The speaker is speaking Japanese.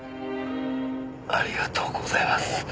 ありがとうございます。